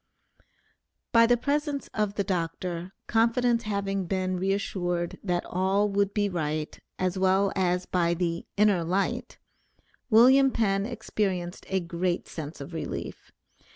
By the presence of the Dr., confidence having been reassured that all would be right, as well as by the "inner light," William Penn experienced a great sense of relief.